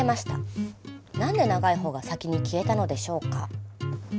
何で長い方が先に消えたのでしょうか？